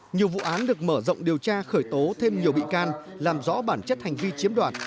nhiều vụ án được mở rộng điều tra khởi tố thêm nhiều bị can làm rõ bản chất hành vi chiếm đoạt